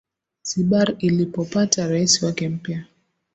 zibar ilipopata rais wake mpya